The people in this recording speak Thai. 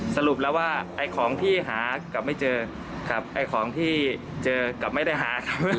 สรุปแล้วว่าไอ้ของที่หากลับไม่เจอครับไอ้ของที่เจอกลับไม่ได้หาครับ